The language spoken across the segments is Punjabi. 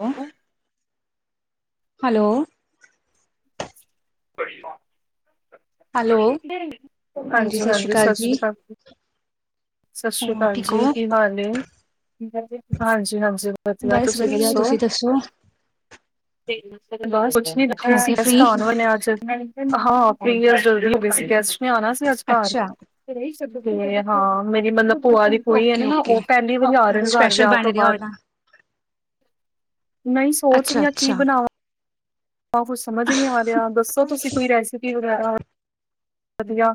ਹਲੋ ਹਲੋ [unintelligible] ਹੈਲੋ ਹਾਂਜੀ ਸ਼੍ਰੀ ਹਾਂਜੀ-ਹਾਂਜੀ ਸਤਿ ਜੀ। ਸ੍ਰੀ ਅਕਾਲ। ਸਤਿ ਸ੍ਰੀ ਹੋਰ ਅਕਾਲ ਠੀਕ ਜੀ ਹੋ? ਕੀ ਹਾਲ ਏ ਹਾਂਜੀ-ਹਾਂਜੀ। ਵਧਿਆ ਬਸ ਤੁਸੀਂ ਵਧੀਆ ਦੱਸੋ ਤੁਸੀਂ ਬਸ ਕੁਛ ਨੀ ਬੈਠੇ ਹੋ ਗਏ ਸੀਗੇ ਗੈਸਟ ਫ੍ਰਰੀ? ਆਨ ਵਾਲੇ ਅੱਜ ਹਾਂ ਫ ਜਲਦੀ ਹੋ ਗਏ ਸੀ ਗੈਸਟ ਨੇ ਆਣਾ ਸੀ ਅੱਜ ਘਰ ਅੱਛਾ ਤੇ ਹਾਂ ਮੇਰੀ ਮਲਬ ਭੂਆ ਦੀ ਕੁੜੀ ਹੈ ਓਕੇ ਨਾ ਓਕੇ ਉਹ ਪਹਿਲੀ ਵਾਰੀ ਆ ਰਹੇ ਨੇ ਘਰ ਸਪੈਸ਼ਲ ਵਿਆਹ ਬਣ ਤੋਂ ਰਿਹਾ ਬਾਅਦ। ਹੋਣਾ ਨਹੀਂ ਅੱਛਾ ਸੋਚਰੀ ਆ ਕੀ ਅੱਛਾ ਬਣਾਵ ਆ ਕੁਛ ਸਮਝ ਹੀ ਨੀ ਆ ਰਿਹਾ ਦੱਸੋ ਤੁਸੀਂ ਕੋਈ ਰੈਸਪੀ ਵਗੈਰਾ। ਵਧੀਆ।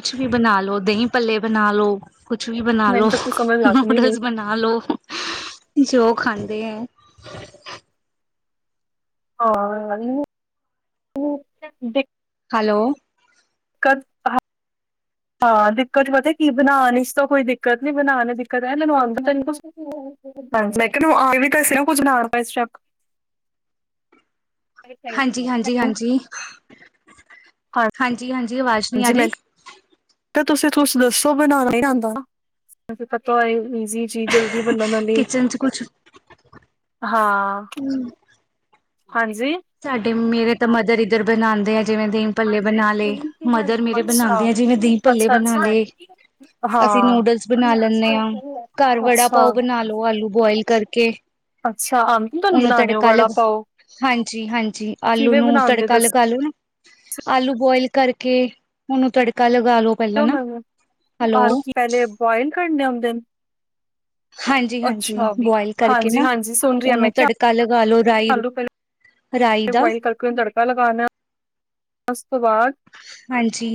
ਕੁਛ ਵੀ ਬਣਾ ਲੋ ਦਹੀਂ ਪੱਲੇ ਬਣਾ ਲੋ ਕੁਛ ਵੀ ਬਣਾ ਲ ਮੈਨੂੰ ਲੋ ਤਾਂ ਕੁਛ ਸਮਝ ਲੱਗ ਨੀ ਰਹੀ ਨੂਡਲਸ ਬਣਾ ਲ ਲੋ ਜੋ ਖਾਂਦੇ ਹੈ ਹਾਂ। ਦੇਖ ਹੈਲੋ। ਕ ਹਾਂ ਦਿੱਕਤ ਚ ਪਤਾ ਕੀ ਬਣਾਉਣ ਇਸ ਤੋਂ ਕੋਈ ਦਿੱਕਤ ਨੀ ਬਣਾਉਣ ਦਿੱਕਤ ਹੈੈਨੂੰ ਆਉਂਦੀ [inaudible] ਮੈਂ ਨੂੰ ਆ ਵੀ ਕੇ ਨਾ ਕੁੱਝ ਨਾ ਇਸ ਸ਼ੱਕ। [inaudible] ਹਾਂਜੀ -ਹਾਂਜੀ -ਹਾਂਜੀ। ਹਾਂਜੀ -ਹਾਂਜੀ ਆਵਾਜ਼ ਨੀ ਆ ਰਹੀ। ਤੇ ਤੁਸੀਂ ਤੁਛ ਦੱਸੋ ਬਣਾਉਣਾ ਹੀ ਨੀਆਉਂਦਾ। ਅੇ ਪਤਾ ਹੋਏ ਇਜੀ਼ ਚੀਜ਼ ਜਲਦੀ ਬੰਨਨ ਵਾਲੀ ਵੲ ਏ। ਕਿਚਨ ਚ ਕੁਛ ਹਾਂ ਹਾਂਜੀ। ਸਾਡੇ ਮੇਰੇ ਤਾਂ ਮਦਰ ਇੱਧਰ ਬਣਾਉਂਦੇ ਆ ਜਿਵੇਂ ਦੀ ਪੱਲੇ ਬਣਾ ਲਏ ਮਦਰ ਮੇਰੇ ਅੱਛਾ ਬਣਾਉਂਦੇ ਆ ਜਿਵੇਂ ਦਹੀਂ ਪੱਲੇ ਅੱਛਾ ਬਣਾ ਅੱਛਾ ਲਏ। ਅਸੀਂ ਹਾਂ ਨੂਡਲਸ ਬਣਾ ਲੈਂਨੇ ਹਾਂ ਘਰ ਵੜਾ ਅੱਛਾ ਪਾਓ ਬਣਾ ਲੋ ਆਲੂ ਬੁਇਲ ਕਰਕੇ। ਅੱਛਾ ਆਂਦਾ ਤੁਹਾਨੂੰ ਉਹਨੂੰ ਬਣਾਉਣੇ ਹੋ ਤੜਕਾ ਬੜਾ ਲਗ ਪਾਓ? ਹਾਂਜੀ ਹਾਂਜੀ ਆਲੂ ਕਿਵੇਂ ਨੂੰ ਬਣਾਂਦੇ ਤੜਕਾ ਲਗਾ ਦੱਸਿਓ ਆਲੂ ਨੂੰ ਆਲੂ ਬੋਇਲ ਕਰਕੇ ਉਹਨੂੰ ਤੜਕਾ ਲਗਾ ਲਓ। ਕਿਉ ਮੈ ਆ ਪਹਿਲੇ ਬਆਇਲ ਕਰਨੇ ਹੁੰਂਦੇ ਨੇ? ਹਾਂਜੀ ਹਾਂਜੀ ਅੱਛਾ ਵੀ ਬੁਆਇਲ ਕਰਕੇ ਨਾ ਹਾਂਜੀ-ਹਾਂਜੀ ਸੁਣ ਰਹੀ ਹਾਂ ਉਹਨੂੰ ਮੈਂ ਕਿਆ ਤੜਕਾ ਲਗਾ ਲੋ ਰਾਈ ਚ ਪਹਿਲਾਂ ਰਾਈ ਦਾ ਬਆਇਲ ਕਰਕੇ ਨੂੰ ਤੜਕਾ ਲਗਾਾਨਣਾ ਉਸ ਤੋਂ ਬਾਅਦ ਹਾਂਜੀ।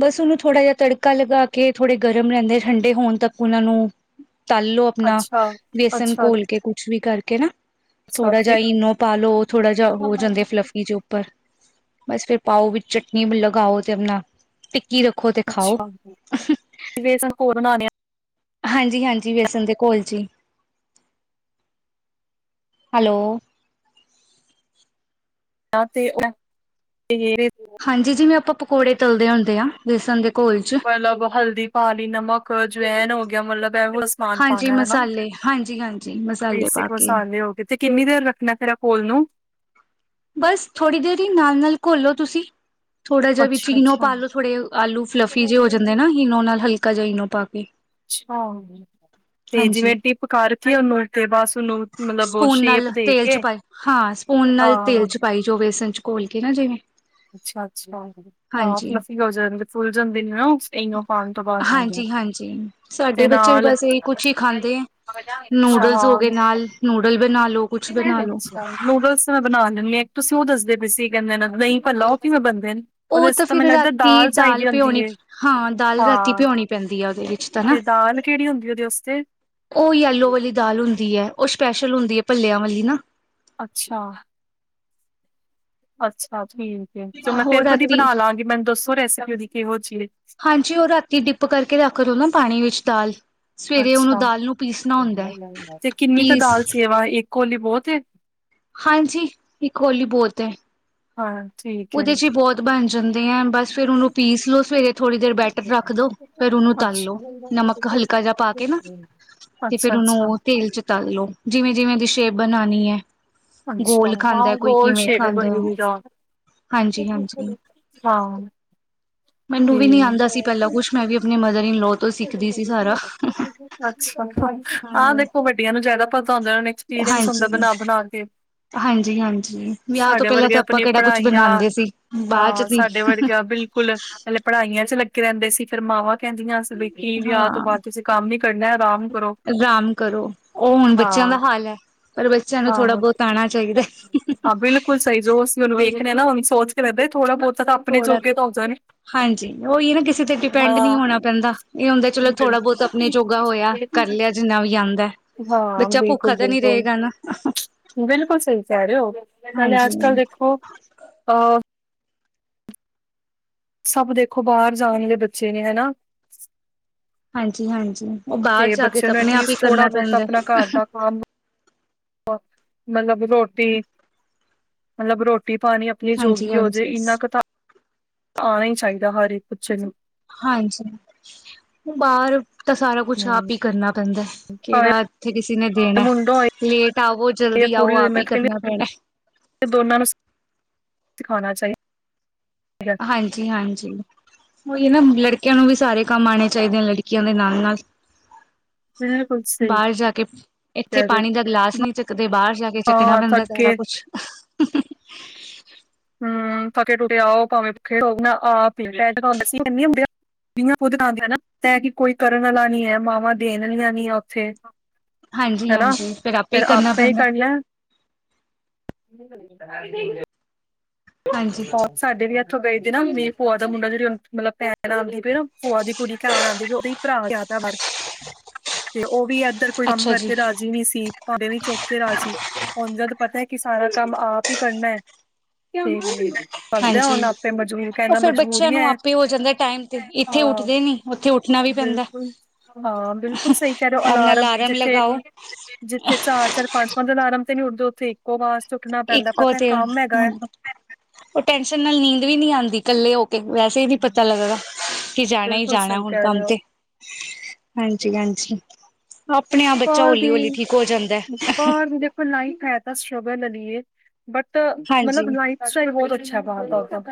ਬਸ ਉਹਨੂੰ ਥੋੜ੍ਹਾ ਜਿਹਾ ਤੜਕਾ ਲਗਾ ਕੇ ਥੋੜੇ ਗਰਮ ਰਹਿੰਦੇ ਠੰਡੇ ਹੋਣ ਤੱਕ ਉਹਨਾਂ ਨੂੰ ਤਲ ਲੋ ਆਪਣਾ ਅੱਛਾ, ਬੇਸਣ ਅੱਛਾ, ਘੋਲ ਕੇ ਕੁਛ ਵੀ ਕਰਕੇ ਨਾ। ਅੱਛਾ ਥੋੜਾ ਫਿਰ ਜਿ ਇਨੋ ਪਾ ਲੋ ਥੋੜਾ ਜਿਹਾ ਹੋ ਜਾਂਦੇ ਫਲੱਫੀ ਜੋ। ਉੱਪਰ ਬਸ ਫਿਰ ਪਾਓ ਵਿੱਚ ਚਟਨੀ ਲਗਾਓ ਤੇ ਆਪਣਾ ਟਿਕਿ ਰੱਖੋ ਤੇ ਖਾਓ ਅੱਛਾ ਕਿਵੇ ਸਾਨੂੰ ਹੋਰ ਬਣਾਉਣੇ ਆ। [inaudible] ਹਾਂਜੀ-ਹਾਂਜੀ ਵੇਅਸਨ ਦੇ ਕੋਲ ਚੀ। ਹੈਲੋ। ਹ ਤੇ ਉਹ। [inaudible] ਹਾਂਜੀ ਜਿਵੇਂ ਆਪਾਂ ਪਕੌੜੇ ਤਲਦੇ ਹੁੰਦੇ ਆ ਬੇਸਣ ਦੇ ਘੋਲ ਚ। ਮਤਲਬ ਹਲਦੀ ਪਾਲੀ ਨਮਕ ਜਵੈਨ ਹੋ ਗਿਆ ਮਤਲਬ ਸਮਾਨ ਹਾਂਜੀ ਪਾਉਣਾ ਹਨਾ ਮਸਾਲੇ ਹਾਂਜੀ ਹਾਂਜੀ ਮਸਾਲੇ ਪਾ ਬੇਸਿਕ ਕੇ ਮਸਾਲੇ ਹੋ ਗਏ। [inaudible] ਤੇ ਕਿੰਨੀ ਦੇਰ ਰੱਖਣਾ ਫੇਰਰਾ ਕੋਲ ਨੂੰ? ਬਸ ਥੋੜ੍ਹੀ ਦੇਰ ਹੀ ਨਾਲ-ਨਾਲ ਘੋਲੋ ਤੁਸੀਂ। ਥੋੜਾ ਜਿਹਾ ਵੀਚ ਅੱਛਾ, ਇਨੋ ਅੱਛਾ, ਪਾਲੋ ਥੋੜੇ ਆਲੂ ਫਲਫੀ ਜੇ ਹੋ ਜਾਂਦੇ ਨਾ। ਇਨੋ ਨਾਲ ਹਲਕਾ ਜਿਹਾ ਇਨੋ ਪਾ ਕੇ। ਅੱਛਾ ਤੇ ਹਾਂਜੀ ਜਿਵੇਂ ਟਿਪ ਕਰਕੇਓਨੂੰ ਤੇ ਬਸ ਉਹਨੂੰ ਮਤਲਬ ਉਹ ਸਪੂਨ ਸ਼ੇਪ ਨਾਲ ਦੇ ਤੇਲ ਚ ਕੇ। ਪਾਈ ਹਾਂ ਸਪੂਨ ਨਾਲ ਤੇਲ ਹਾਂ, 'ਚ ਪਾਈ ਜਾਓ ਬੇਸਨ 'ਚ ਘੋਲ ਕੇ ਨਾ ਜਿਵੇਂ। ਅੱਛਾ-ਅੱਛਾ, ਹਾਂ ਹਾਂਜੀ, ਫਲਫੀ ਹੋ ਜਾਂ ਫੁੱਲ ਜਾਂਦੇ ਨੇ ਨਾ ਇ। ਖਾਉਣ ਤੋਂ ਬਾਅਦ, ਹਾਂਜੀ-ਹਾਂਜੀ ਤੇ ਸਾਡੇ ਬੱਚੇ ਵੀ ਨਾਲ। ਨੂਡਲ। ਬਸ ਇਹੀ [unintelligible] ਮੈਂ ਕੁਛ ਹੀ ਖਾਂਦੇ ਐ। ਨੂਡਲਸ ਹੋ ਗਏ ਨਾਲ ਨੂਡਲ ਬਣਾ ਲੋ ਕੁਛ ਬਣਾ ਲੋ। ਬਣਾ ਲੈਂਦੀ ਹਾਂ ਇੱਕ ਤੁਸੀਂ ਉਹ ਦੱਸਦੇ ਪਏ ਸੀ ਕਹਿੰਦੇ ਨਹੀਂ। ਭਲਾ ਉਹ ਕਿਵੇਂ ਬਣਦੇ ਨੇ, ਉਹਦੇ ਉਹ ਵਾਸਤੇ ਤਾਂ ਫਿਰ ਮੈਨੂੰ ਲਗਦਾ ਰਾਤੀ ਦਾਲ ਚਾਹੀਦੀ ਹੁੰਦੀ ਭਿਉਣੀ ਹੈ, ਹਾਂ ਦਾਲ ਰਾਤੀ ਹਾਂ। ਭਿਉਣੀ ਪੈਂਦੀ ਆ ਉਹਦੇ ਵਿੱਚ ਤਾਂ ਨਾ। ਤੇ ਦਾਲ ਕਿਹੜੀ ਹੁੰਦੀ ਏ ਉਹਦੇ ਵਾਸਤੇ। ਉਹ ਯੈਲੋ ਵਾਲੀ ਦਾਲ ਹੁੰਦੀ ਹੈ, ਉਹ ਸਪੈਸ਼ਲ ਹੁੰਦੀ ਹੈ ਭੱਲਿਆਂ ਵਾਲੀ ਨਾ। ਅੱਛਾ। ਅੱਛਾ ਠੀਕ ਹੈ, ਮੈਂ ਉਹ ਫੇਰ ਕਦੀ ਰਾਤੀ ਬਣਾ ਲਵਾਂਗੀ ਮੈਨੂੰ ਦੱਸੋ ਰੈਸਪੀ ਉਹਦੀ ਕਿਹੋ ਜਿਹੀ। ਹਾਂਜੀ ਉਹ ਰਾਤੀ ਡਿਪ ਕਰਕੇ ਰੱਖ ਲਓ ਨਾ ਪਾਣੀ ਵਿੱਚ ਦਾਲ। ਸਵੇਰੇ ਉਹਨੂੰ ਅੱਛਾ ਦਾਲ ਨੂੰ ਪੀਸਣਾ ਹੁੰਦਾ ਐ ਤੇ ਕਿੰਨੀ ਕੁ ਪੀਸ ਦਾਲ ਸੇਵਾ, ਇੱਕ ਕੋਲੀ ਬਹੁਤ ਹੈ। ਹਾਂਜੀ ਇੱਕ ਹੋਲੀ ਬੋਹੱਤ ਹੈ। ਹਾਂ ਠੀਕ। ਹੈ ਉਹਦੇ 'ਚ ਹੀ ਬਹੁਤ ਬਣ ਜਾਂਦੇ ਆ, ਬਸ ਫਿਰ ਉਹਨੂੰ ਪੀਸ ਲਓ ਸਵੇਰੇ। ਥੋੜ੍ਹੀ ਦੇਰ ਬੈਟਰ ਰੱਖ ਦੋ, ਫਿਰ ਉਹਨੂੰ ਤਲ ਅੱਛਾ ਲਓ, ਨਮਕ ਹਲਕਾ ਜਿਹਾ ਪਾ ਕੇ ਨਾ। ਤੇ ਅੱਛਾ ਫੇਰ ਉਹਨੂੰ ਅੱਛਾ ਉਹ ਤੇਲ 'ਚ ਤਲ ਲੋੋ, ਜਿਵੇਂ- ਜਿਵੇਂ ਉਹਦੀ ਸ਼ੇਪ ਬਣਾਉਣੀ ਹੈ। ਅੱਛਾ ਗੋਲ ਖਾਂਦਾ, ਹਾਂ ਕੋਈ ਗੋਲ ਕਿਵੇਂ ਸ਼ੇਪ ਖਾਂਦਾ ਬਣੀ ਹੈ। ਹੋਈ ਦਾਲ ਹਾਂਜੀ- ਹਾਂਜੀ, ਹਾਂ ਮੈਨੂੰ ਵੀ ਨੀ ਤੇ ਆਉਂਦਾ ਸੀ। ਪਹਿਲਾਾਂ ਕੁਛ ਮੈਂ ਵੀ ਆਪਣੇ ਮਦਰ ਇਨ ਲੋ। ਤੋਂ ਸਿੱਖਦੀ ਸੀ ਸਾਰਾ ਅੱਛਾ, ਆਹ ਦੇਖੋ ਵੱਡੀਆਂ ਨੂੰ ਜਿਆਦਾ ਪਤਾ ਹੁੰਦਾ ਉਹ ਨੇ। ਐਕਸਪੀਰੀਅੰਸ ਹੁੰਦਾ ਹਾਂਜੀ ਬਣਾ- ਬਣਾ ਕੇ। ਹਾਂਜੀ -ਹਾਂਜੀ, ਵਿਆਹ ਤੋਂ ਸਾਡੇ ਪਹਿਲਾਂ ਵਰਗੇ ਤਾਂ ਆਪਾਂ ਆਪਣੀ ਕਿਹੜਾ ਕੁਛ ਪੜ੍ਹਾਈਆਂ ਬਣਾਉਂਦੇ ਸੀ, ਬਾਅਦ 'ਚ ਹਾਂ ਸੀ। ਸਾਡੇ ਵਰਗਾ ਬਿਲਕੁਲ, ਹਲੇ ਪੜ੍ਹਾਈਆਂ 'ਚ ਲੱਗੇ ਰਹਿੰਦੇ ਸੀ, ਫੇਰ ਮਾਵਾਂ ਕਹਿੰਦੀਆਂ ਬ। ਹਾਂ, ਕਰੋ ਆਰਾਮ ਕਰੋ, ਉਹ ਹੁਣ ਬੱਚਿਆਂ ਹਾਂ ਦਾ ਹਾਲ ਹੈ। ਪਰ ਬੱਚਿਆਂ ਨੂੰ ਥੋੜ੍ਹਾ ਆਹੋ ਬਹੁਤ ਆਉਣਾ ਚਾਹੀਦਾ। ਹਾਂ ਬਿਲਕੁਲ ਸਹੀ, ਜੋ ਅਸੀ ਉਹਨੂੰ ਵੇਖਦੇ ਨਾ ਉਹ ਸੋਚ ਰਹਿੰਦਾ ਥੋੜਾ ਬਹੁਤ। ਥੋੜਾ, ਹਾਂਜੀ ਉਹੀ ਨਾ ਕਿਸੇ ਤੇ ਡਿਪੈਂਡ ਨਹੀਂ ਹਾਂ ਹੋਣਾ ਪੈਂਦਾ। ਇਹ ਹੁੰਦਾ ਚਲੋ ਥੋੜਾ ਬਿਲਕੁਲ ਬਹੁਤ ਆਪਣੇ ਜੋਗਾ ਹੋਇਆ, ਕਰ ਲਿਆ ਜਿੰਨਾ ਵੀ ਆਉਂਦਾ। ਹਾਂ ਬੱਚਾ ਬਿਲਕੁਲ ਭੁੱਖਾ ਤਾਂ ਨੀ ਬਿਲਕੁਲ ਰਹੇਗਾ ਨਾ। ਬਿਲਕੁਲ ਸਹੀ ਕਹਿ ਰਹੇ ਹੋ, ਨਾਲੇ ਹਾਂਜੀ ਅੱਜ ਕੱਲ ਦੇਖੋ, ਅਹ। ਸਭ ਦੇਖੋ, ਬਾਹਰ ਜਾਣ ਦੇ ਬੱਚੇ ਨੇ ਹਨਾ। ਹਾਂਜੀ- ਹਾਂਜੀ, ਉਹ ਬਾਹਰ ਜਾ ਕੇ ਬੱਚੇ ਤੇ ਨੂੰ ਆਪਣੇ ਆਪ ਹੀ ਐਟਲੀਸਟ ਥੋੜਾ ਕਰਨਾ ਬਹੁਤਾ ਪੈਂਦਾ। ਆਪਣਾ ਘਰ ਦਾ ਮਤਲਬ ਰੋਟੀ। ਮਤਲਬ ਰੋਟੀ ਪਾਣੀ, ਆਪਣੀ ਜੋ ਹਾਂਜੀ ਵੀ ਹੋਜੇ, ਹਾਂਜੀ ਇੰਨਾ ਕ ਤਾ। ਆਉਣਾ ਹੀ ਚਾਹੀਦਾ ਹਰ ਇੱਕ ਬੱਚੇ ਨੂੰ। ਹਾਂਜੀ, ਉਹ ਬਾਹਰ। ਤਾਂ ਸਾਰਾ ਕੁਛ ਹੂੰ ਆਪ ਹੀ ਕਰਨਾ ਪੈਂਦਾ ਹੈ, ਭਾਵੇਂ ਕਿਹੜਾ ਇੱਥੇ ਕਿਸੇ ਨੇ ਦੇਣਾ। ਮੁੰਡਾ ਹੋਏ ਲੇਟ ਆਵੋ, ਜਾਂ ਜਲਦੀ ਆਓ ਕੁੜੀ ਹੋਏ ਆਪ ਹੀ ਮੈਂ ਤਾਂ ਕਰਨਾ ਕਹਿੰਦੀ ਪੈਣਾ। ਦੋਨਾਂ ਨੂੰ, ਸਿਖਾਉਣਾ ਚਾਹੀਦਾ, ਠੀਕ ਹੈ। ਹਾਂਜੀ-ਹਾਂਜੀ। ਉਹੀ ਨਾ, ਲੜਕੇਆਂ ਨੂੰ ਵੀ ਸਾਰੇ ਕੰਮ ਆਉਣੇ ਚਾਹੀਦੇ ਲੜਕੀਆਂ ਦੇ ਨਾਲ-ਨਾਲ। ਹ ਕੁਛ ਬਾਹਰ ਜਾ ਕੇ ਇੱਥੇ ਪਾਣੀ ਦਾ ਗਿਲਾਸ ਨਹੀਂ ਚੱਕਦੇ ਬਾਹਰ ਜਾ ਕੇ ਹੋ ਚੱਕਣਾ ਹਾਂ ਪੈਂਦਾ ਸਾਰਾ ਥੱਕੇ ਕੁਛ। ਹਮ ਥਕੇੇ ਟੁੱਟੇ ਆਓ ਭਾਵੇਂ ਭੁੱਖੇ ਹੋਵੋ। ਮੈਂ ਖੁਦ ਨਾਲ ਉਹਦੇ ਨਾ ਕਿ ਕੋਈ ਕਰਨ ਵਾਲਾ ਨੀ ਹੈ ਮਾਵਾਂ ਦੇਣ ਵਾਲੀਆਂ ਨੀ ਉੱਥੇ। ਹਾਂਜੀ ਹੈ ਨਾ, ਹਾਂਜੀ ਹੀ ਫੇਰ ਕਰਨਾ ਆਪੇ ਹੀ ਪੈਂਦਾ ਕਰ ਲੈਣ। [inaudible] ਹਾਂਜੀ ਹਾਂ। ਸਾਡੇ ਵੀ ਇੱਥੋਂ ਗਏ ਸੀ ਨਾ ਭੂਆ ਦਾ ਮੁੰਡਾ ਜਿਹੜੀ ਮਤਲਬ ਭੈਣ ਲਉਂਦੀ ਪਈ ਨਾ ਭੂਆ ਦੀ ਕੁੜੀ ਘਰ ਆਉਂਦੀ ਉਹਦੀ, ਭਰਾ ਜ਼ਿਆਦਾ ਮਰ ਹ [inaudible] ਤੇ ਉਹ ਵੀ ਇਧਰ ਕੋਈ ਕੰਮ ਕਰਕੇ ਰਾਜ ਰਾਜੀ ਨਹੀਂ ਸੀ ਭਾਂਡੇ ਨੀ ਚੁੱਕ ਕੇ ਰਾਜੀ ਹੁਣ ਜਦ ਪਤਾ ਹੈ ਕਿ ਸਾਰਾ ਕੰਮ ਆਪ ਹੀ ਕਰਨਾ ਹੈ। [inaudible] ਕਰਦੇ ਹੁਣ ਹਾਂਜੀ ਆਪੇ ਮਜਬੂ ਉਹ ਕਹਿੰਦਾ ਫੇਰ ਬੱਚਿਆਂ ਮਜਬੂਰੀਆਂ, ਨੂੰ ਆਪੇ ਹੋ ਜਾਂਦਾ ਟਾਈਮ ਤੇ ਇੱਥੇ ਆਹ ਉੱਠਦੇ ਨੀ ਉੱਥੇ ਉੱਠਣਾ ਵੀ ਪੈਂਦਾ ਬਿਲੁ ਹਾਂ, ਬਿਲਕੁਲ ਸਹੀ ਕਹਿ ਰਹੇ ਹੋ ਆਪਣਾ ਅਲਾਰਮ ਜਿੱਥੇ ਲਗਾਓ ਜਿੱਥੇ ਚਾਰ-ਚਾਰ ਪੰਜ-ਪੰਜ ਅਲਾਰਮ ਤੇ ਨੀ ਉੱਠਦੇ ਉੱਥੇ ਇੱਕੋ ਆਵਾਜ਼ ਤੇ ਉੱਠਣਾ ਪੈਂਦਾ ਇੱਕੋ ਪਤਾ ਤੇ ਕੰਮ ਹੈਗਾ ਹੈ। ਉਹ ਟੈਨਸ਼ਨ ਨਾਲ ਨੀਂਦ ਵੀ ਨਹੀਂ ਆਉਂਦੀ ਕੱਲੇ ਹੋ ਕੇ ਵੈਸੇ ਹੀ ਨੀ ਪਤਾ ਲੱਗਦਾ। ਕੀ ਜਾਣਾ ਹੀ ਬਿਲਕੁਲ ਜਾਣਾ ਸਹੀ ਹੁਣ ਕਹਿ ਰਹੇ ਕੰਮ ਹੋ ਤੇ, ਹਾਂਜੀ-ਹਾਂਜੀ। ਆਪਣੇ ਆਪ ਬੱਚਾ ਬਾਹਰ ਹੌਲੀ-ਹੌਲੀ ਠੀਕ ਹੋ ਜਾਂਦਾ। ਹੁਣ ਨਾ ਹੀ ਫਾਇਦਾ ਸਟਰਗਲ ਲੈ ਲਈਏ ਬਟ ਹਾਂਜੀ ਮਤਲਬ ਲਾਈਨ ਮੌਸਮ ਬਹੁਤ ਅੱਛਾ ਬਾਹਰ ਦਾ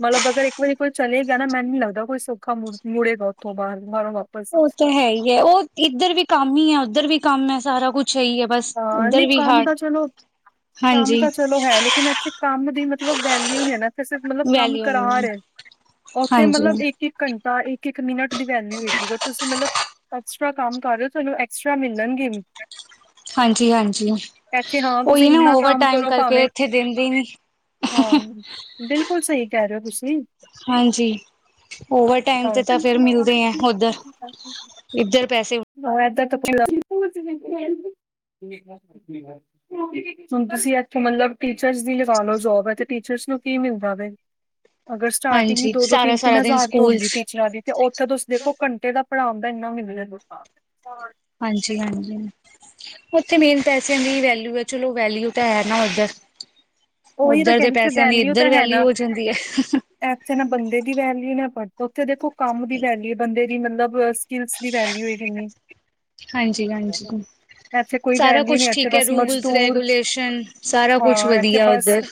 ਮਤਲਬ ਅਗਰ ਇੱਕ ਵਾਰੀ ਕੋਈ ਚਲੇ ਗਿਆ ਨਾ ਮੈਨੂੰ ਨੀ ਲੱਗਦਾ ਕੋਈ ਸੌਖਾ ਮੁੜ ਮੁੜੇਗਾ ਉਥੋਂ ਬਾਹਰ ਬਾਹਰੋਂ ਬਾਹਰ ਉਹ ਤਾਂ ਹੈ ਹੀ ਹੈ ਉਹ ਇੱਧਰ ਵੀ ਕੰਮ ਹੀ ਹੈ ਉੱਧਰ ਵੀ ਕੰਮ ਹੈ ਸਾਰਾ ਕੁੱਛ ਹੈ ਹੀ ਹੈ। ਬਸ ਹਾਂ ਇੱਧਰ ਨਹੀਂ ਵੀ ਕੰਮ ਹਾਰ ਤਾਂ ਚਲੋ ਕੰਮ ਹਾਂਜੀ ਤਾਂ ਚਲੋ ਹੈ ਨੀ ਲੇਕਿਨ ਇੱਥੇ ਕੰਮ ਦੀ ਮਤਲਬ ਵੈਲਿਊ ਨਹੀ ਹੈ ਨਾ ਇੱਥੇ ਅ ਮਤਲਬ ਕੰਮ ਵੈਲਿਊ ਕਰਾ ਨਹੀਂ ਹੈ ਰਹੇ ਉੱਥੇ ਹਾਂਜੀ ਮਤਲਬ ਇੱਕ ਇੱਕ ਘੰਟਾ ਇੱਕ ਇੱਕ ਮਿੰਟ ਦੀ ਵੈਲਉ ਹੋਏਗੀ ਪਰ ਤੁਸੀਂ ਮਤਲਬ ਐਕਸਟਰਾ ਕੰਮ ਕਰ ਰਹੇ ਹੋ ਤੁਹਾਨੂੰ ਐਕਸਟਰਾ ਮਿਲਣਗੇ ਵੀ। ਹਾਂਜੀ, ਹਾਂਜੀ। ਇੱਥੇ ਹਾਂ ਉਹੀ ਤੁਸੀਂ ਨਾ ਇੰਨਾ ਓਵਰ ਕੰਮ ਟਾਈਮ ਕਰੋ ਕਰਕੇ ਭਾਵੇਂ ਇੱਥੇ ਦਿੰਦੇ ਨੀ। ਹਾਂ ਬਿਲਕੁਲ ਸਹੀ ਕਹਿ ਰਹੇ ਹੋ ਤੁਸੀਂ। ਹਾਂਜੀ ਓਵਰ ਟਾਈਮ ਹਾਂ ਤੇ ਤਾਂ ਫੇਰ ਮਿਲਦੇ ਆ ਉਧਰ। ਇੱਧਰ ਪੈਸੇ ਅਜੇ ਤੱਕ ਤੇ [unintelligible] ਹੁਣ ਤੁਸੀਂ ਇੱਥੋਂ ਮਤਲਬ ਟੀਚਰਸ ਦੀ ਲਗਾ ਲੋ ਜੋਬ ਹੈ ਤੇ ਟੀਚਰਸ ਨੂੰ ਕੀ ਮਿਲਦਾ ਵੇ। [inaudible] ਅਗਰ ਸਟਾਰਟਿੰਗ ਵੀ ਹਾਂਜੀ ਦੋ ਦੋ ਸਾਰਾ ਤਿੰਨ ਤਿੰਨ ਸਾਰਾ ਦਿਨ ਹਜ਼ਾਰ ਤੋਂ ਸਕੂਲ ਹੁੰਦੀ ਚ ਟੀਚਰਾਂ ਦੀ ਤੇ ਉੱਥੇ ਤੁਸੀਂ ਦੇਖੋ ਘੰਟੇ ਦਾ ਪੜਾਉਣ ਦਾ ਇਨਾ ਮਿਲ ਰਿਹਾ ਤੁਹਾਨੂੰ। ਹਾਂਜੀ -ਹਾਂਜੀ। ਉੱਥੇ ਮੇਨ ਪੈਸਿਆਂ ਦੀ ਵੈਲਯੂ ਹੈ ਚਲੋ ਵੈਲਊ ਤਾਂ ਹੈ ਨਾ ਉੱਧਰ। ਉਹੀ ਤਾਂ ਉੱਧਰ ਦੇ ਕਹਿੰਦੀ ਸੀ ਪੈਸਿਆਂ ਦੀ ਇੱਧਰ ਤਾਂ ਹੈ ਵੈਲਿਊ ਨਾ। ਹੋ ਜਾਂਦੀ ਹੈ। ਇੱਥੇ ਨਾ ਬੰਦੇ ਦੀ ਵੈਲਿਊ ਨਾ ਪੜ੍ਹਦਾ ਉੱਥੇ ਦੇਖੋ ਕੰਮ ਦੀ ਵੈਲਿਊ ਬੰਦੇ ਦੀ ਮਤਲਬ ਸਕਿਲਜ ਦੀ ਵੈਲਊ ਹੋਈ ਕਿੰਨੀ। ਹਾਂਜੀ, ਹਾਂਜੀ। ਇੱਥੇ ਕੋਈ ਸਾਰਾ ਵੈਲਿਊ ਕੁਛ ਨੀ ਇੱਥੇ ਠੀਕ ਹੈ ਬਸ ਰੂਲਸ ਮਜ਼ਦੂਰ ਰੈਗੂਲੇਸ਼ਨ ਸਾਰਾ ਕੁਛ ਹਾਂ ਇੱਥੇ ਵਧੀਆ ਬਸ ਉੱਧਰ।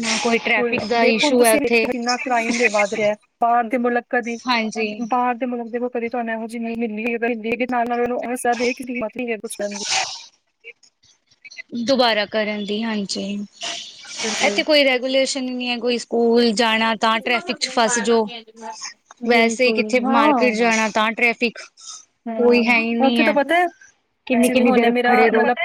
ਮੈਂ ਕੋਈ। ਟ੍ਰੈਫਿਕ ਦਾ ਦੇਖ ਹੁਣ ਇਸ਼ੂ ਹੈ ਤੁਸੀਂ ਉੱਥੇ ਇੰਨਾ ਕ੍ਰਾਈਮ ਵੱਧ ਰਿਹਾ, ਬਾਹਰ ਦੇ ਮੁਲਕ ਕਦੇ ਹਾਂਜੀ ਬਾਹਰ ਦੇ ਮੁਲਕ ਦੇ ਓ ਕਦੀਤੁਹਾਡੇ ਨਾਲ ਉਚੀ- ਨੀਵੀਂ ਮਿਲਦੀ ਹੈਗੀ ਤਾਂ ਮਿਲਦੀ ਨਾਲ -ਨਾਲ ਉਹਸਾਡੀ ਮਰਜੀ ਏ ਕੁਝ ਕਰਨ ਦੀ ਦੁਬਾਰਾ ਕਰਨ ਦੀ, ਹਾਂਜੀ। ਇੱਥੇ ਬਿਲਕੁਲ ਕੋਈ ਰੈਗੂਲੇਸ਼ਨ ਹੀ ਨਈ ਹੈ, ਕੋਈ ਸਕੂਲ ਜਾਣਾ ਤਾਂ ਟ੍ਰੈਫਿਕ ਚ, ਫਸ ਜਾਓ ਵੈਸੇ ਕਿੱਥੇ, ਮਾਰਕੀਟ ਜਾਣਾ ਤਾਂ ਟ੍ਰੈਫਿਕ ਕੋਈ ਹੈ ਹਮ, ਹੀ ਉੱਥੇ ਨਹੀਂ ਤਾਂ ਪਤਾ ਹੈ ਕਿੰਨੀ ਜਿਵੇਂ, ਕਿੰਨੀ ਹੁਣ ਦੇਰ ਮੇਰਾ ਖੜੇ ਰਹੋ ਮਤਲਬ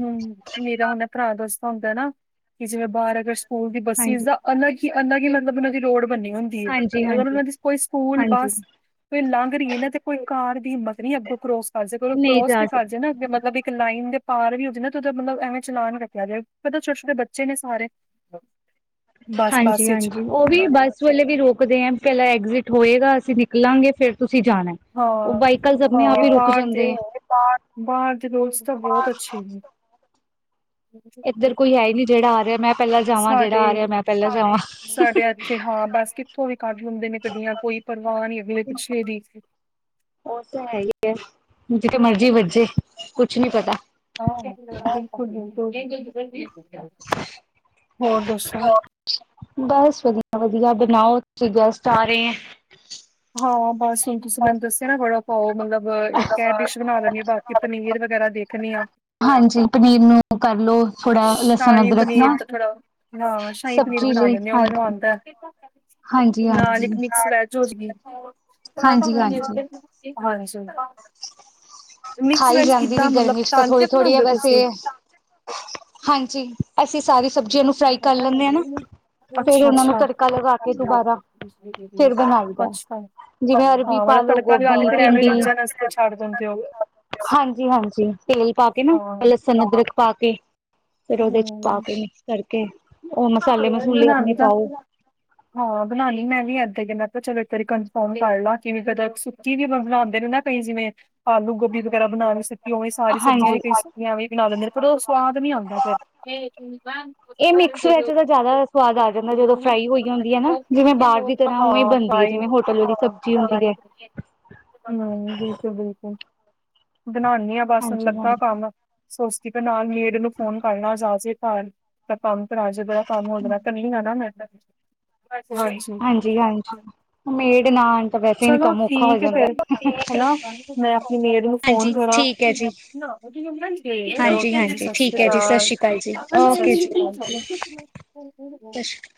ਹਮ, ਮੇਰਾ ਹੁਣੇ ਭਰਾ ਦਸਦਾ ਹੁੰਦਾ ਨਾ, ਕਿ ਜਿਵੇਂ ਬਾਹਰ ਅਗਰ ਸਕੂਲ ਦੀ ਬੱਸਿਸ ਹਾਂਜੀ ਦਾ ਇਨਾ ਅਲੱਗ- ਅਲੱਗ ਦੀ ਰੋਡ ਬਣੀ ਹੁੰਦੀ ਏ, ਹਾਂਜੀ ਅਗਰ ਹਾਂਜੀ ਉਹਨਾਂ ਦੀ ਕੋਈ ਸਕੂਲ ਹਾਂਜੀ ਬੱਸ ਕੋਈ ਲਾਂਘ ਰਹੀ ਨਾ ਤੇ, ਕੋਈ ਕਾਰ ਹਿਮਤ ਨ ਅੱਗੋਂ ਕਰੋਸ ਅਜੇ ਕੋਲ ਨਹੀਂ ਕਰੋਸ ਜਾ ਵੀ ਕਰ ਸਕਦੇ ਜੇ ਨਾ, ਅੱਗੇ ਮਤਲਬ ਇੱਕ ਲਾਈਨ ਦੇ ਪਾਰ ਵੀ ਹੋ ਜਾਏ ਤੇਦੇ ਮਤਲਬ ਐਵੇਂ ਚਲਾਨ ਕਟਿਆ ਜਾਵੇ ਪਤਾ ਛੋਟੇ- ਛੋਟੇ ਬੱਚੇ ਨੇ ਸਾਰੇ ਬੱਸ ਹਾਂਜੀ- ਬੱਸ ਵਿੱਚ ਹਾਂਜੀ ਉਹ ਵੀ ਬੱਸ ਵੇਲੇ ਵੀ ਰੋਕਦੇ ਆ, ਪਹਿਲਾਂ ਐਗਜਿਟ ਹੋਏਗਾ, ਅਸੀਂ ਨਿਕਲਾਂਗੇ, ਫੇਰ ਤੁਸੀਂ ਜਾਣਾ ਹਾਂ ਓ ਵਾਈਕਲ ਨਹੀਂ ਦਬਿਆਂ, ਨਹੀਂ ਵੀ ਰੁਕ ਬਾਹਰ ਜਾਂਦੇ ਦੇ ਆ ਪਾ ਬਾਹਰ ਦੇ, ਰੂਲਸ, ਤਾਂ ਬਹੁਤ ਅੱਛੇ ਇੱਧਰ ਕੋਈ ਹੈ ਹੀ ਨਈ, ਜਿਹੜਾ ਆ ਰਿਹਾ ਮੈਂ ਪਹਿਲਾਂ ਜਾਵਾਂ, ਸਾਡੇ ਜਿਹੜਾ ਆ ਰਿਹਾ ਮੈਂ ਪਹਿਲਾਂ ਜਾਵਾਂ ਸਾਡੇ ਇੱਥੇ ਹਾਂ ਬਸ ਕਿੱਥੋਂ ਵੀ ਕੱਢ ਲੈਂਦੇ ਨੇ, ਗੱਡੀਆਂ ਕੋਈ ਪਰਵਾਹ ਨਈ, ਅਗਲੇ ਪਿੱਛੇ ਦੀ ਉਹ ਤਾਂ ਹੈ ਏ, ਜਿਥੇ ਮਰਜ਼ੀ ਵੱਜੇ ਕੁਛ ਨੀ ਪਤਾ ਹੋਰ ਦੱਸੋ? ਬਸ ਵਧੀਆ- ਵਧੀਆ ਬਣਾਓ ਤੁ ਗੈਸਟ ਆ ਰਹੇ ਐ ਹਾਂ, ਬਸ। ਹੁਣ ਤੁਸੀਂ ਮੈਨੂੰ ਦੱਸਿਆ ਨਾ ਵੜਾ-ਪਾਓ, ਮਤਲਬ ਇੱਕ ਇਹ ਡਿਸ਼ ਬਣਾ ਲੈਣੀ, ਬਾਕੀ ਪਨੀਰ ਵਗੈਰਾ ਦੇਖਣੀ ਆ ਹਾਂਜੀ, ਪਨੀਰ ਨੂੰ ਕਰਲੋ ਥੋੜਾ ਲਸਣ ਸ਼ਾਹੀ ਅਦਰਕ ਪਨੀਰ, ਨਾ ਦਾ ਥੋੜਾ ਹਾਂ ਸ਼ਾਹੀ ਪਨੀਰ ਸਬਜ਼ੀ ਬਣਾ, ਲਈ ਦਿੰਨੀਂ ਆ ਓ ਮੈਨੂੰ ਹਾਂਜੀ ਆਦਾ ਹਾਂਜੀ ਨਾਲ ਹਾਂਜੀ ਇੱਕ, ਮਿਕਸ ਵੈਜ ਹਾਂ। ਹਾਂਜੀ ਹਾਂਜੀ ਖਾਈ ਜਾਂਦੀ ਨਈ ਗਰਮੀ ਚ, ਤਾਂ ਥੋੜ੍ਹੀ-ਥੋੜੀ ਆ ਹੋ ਵੈਸੇ। ਤੁਸੀਂ ਹਾਂਜੀ। ਅਸੀਂ ਸਾਰੀ, ਸਬਜ਼ੀਆਂ ਨੂੰ ਫ੍ਰਾਈ ਕਰ ਲੈਂਨੇ ਆ ਨਾ। ਫੇਰ ਉਹਨਾਂ ਨੂੰ ਅੱਛਾ-ਅੱਛਾ,, ਅੱਛਾ। ਤੜਕਾ ਲਗਾ ਕੇ ਦੁਬਾਰਾ ਫੇਰ ਬਣਾਈਦਾ ਪਾਲਕ ਜਿਵੇਂ ਅਰਬੀ ਪਾ ਨੂੰ ਲੋ ਤੜਕਾ ਲਾ ਕੇ, ਗੋਭੀ ਫ਼ਿਰ ਐਵੇਂ ਭਿੰਡੀ ਰਿੱਝਣ ਆਸਤੇ ਛੱਡ ਦਿੰਦੇ ਹੋ। ਹਾਂਜੀ-ਹਾਂਜੀ, ਤੇਲ ਪਾ ਕੇ ਨਾ ਹਾਂ ਫੇਰ ਲਸਣ, ਅਦਰਕ ਪਾ ਕੇ ਫਿਰ ਉਹਦੇ ਚ ਪਾ ਹਮ ਕੇ, ਮਿਕਸ ਕਰਕੇ,। ਉਹ ਨਹੀਂ ਮਸਾਲੇ-ਮਸੂਲੇ ਆਪਣੇ ਬਣਾਉਣੀ ਤਾਂ ਪਾਓ ਹਾਂ ਬਣਾਨੀ ਮੈਂ ਵੀ ਏਦਾਂ ਈ ਏ,। ਮੈਂ ਕਿਆ ਚਲੋ ਇੱਕ ਵਾਰੀ ਕਨਫਰਮ ਕਰ ਲਾ ਕਿ, ਪਤਾ ਸੁੱਕੀ ਵੀ ਆਪਾਂ ਬਣਾਉਂਦੇ ਨੇ। ਮੈਂ ਭੈ ਜਿਵੇਂ ਆਲੂ ਗੋਭੀ, ਵਗੈਰਾ ਬਣਾ ਸੁੱਕੀ, ਉਵੇਂ ਸਾਰੀ ਸਬਜ਼ੀਆਂ ਹਾਂਜੀ ਵੀ ਕਈ ਸੁੱਕੀਆਂ ਵੀ ਬਣਾ ਦਿੰਦੇ ਨੇ, ਪਰ ਉਹ ਸਵਾਦ ਨਈ, ਆਉਦਾ ਫਿਰ। [unintelligible] [inaudible] ਇਹ ਮਿਕਸ ਵੈਜ, ਦਾ ਜ਼ਿਆਦਾ ਸਵਾਦ ਆ ਦਾ ਜਦੋਂ ਫਰਾਈ ਹੋਈ ਹੁੰਦੀ ਏ ਨਾ, ਜਿਵੇਂ ਬਾਹਰ ਦੀ ਤਰ੍ਹਾਂ ਉਵੇਂ ਹਾਂ ਬਣਦੀ ਏ, ਜਿਵੇਂ ਹੋਟਲ ਦੀ ਸਬਜ਼ੀ ਹੁੰਦੀ ਏ, ਹੈਲੋ, ਬਿਲਕੁਲ-ਬਿਲਕੁਲ ਬਣਾਨੀਂ ਆਂ, ਬਸ ਹਾਂਜੀ ਲੱਗਾ ਹਾਂਜੀ ਕੰਮ ਸੋਚਦੀ ਪਈ ਆਂ, ਨਾਲ ਮੇਡ ਨੂੰ ਫੋਨ ਕਰਲਾਂ, ਅੱਜ ਆਜੇ ਘਰ, ਤੇ ਕੰਮ ਕਰਾ ਜੇ ਬੜਾ ਕੰਮ ਹੋ ਜਾਣਾ, ਕਰਨੀਆਂ ਨਾ ਮੇਡ ਨੂੰ ਹਾਂਜੀ-ਹਾਂਜੀ, ਮੇਡ ਨਾ ਆਣ ਤਾਂ ਵੈਸੇ ਵੀ ਚਲੋ ਕੰਮ ਔਖਾ ਹੋ ਠੀਕ ਐ ਜਾਂਦਾ। ਫੇਰ, ਹੈਨਾ ਮੈਂ ਆਪਣੀ ਮੇਡ ਨੂੰ ਫੋਨ, ਹਾਂਜੀ, ਕਰਾਂ। ਠੀਕ ਐ ਜੀ। ਹੈਲੋ, ਹਾਂਜੀ-ਹਾਂਜੀ, ਠੀਕ ਐ ਜੀ, ਸਤਿ ਸਾਸੀਕਾਲ, ਸ਼੍ਰੀ ਅਕਾਲ ਜੀ, ਓਕੇ ਜੀ, ਸਾਸ਼ੀਕਾਲ। ਸਤਿ ਸ਼੍ਰੀ [inaudible]